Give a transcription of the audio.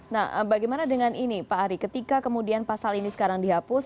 nah bagaimana dengan ini pak ari ketika kemudian pasal ini sekarang dihapus